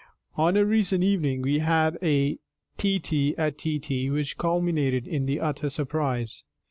On a recent evening we had a tête à tête which culminated in the utter surprise.